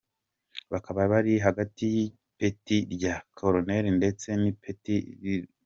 Bakaba bari hagati y’ipeti rya Kaporali ndetse n’ipeti rito.